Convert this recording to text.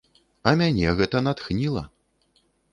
А мяне гэта натхніла.